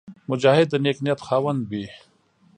مجاهد د نېک نیت خاوند وي.